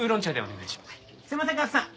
すいません賀来さん